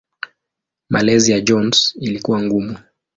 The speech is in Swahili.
Malezi ya Jones ilikuwa ngumu.